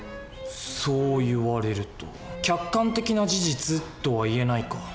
そう言われると客観的な事実とは言えないか。